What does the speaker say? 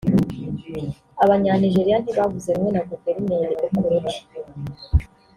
Abanya-Nigeria ntibavuze rumwe na Guverineri Okorocha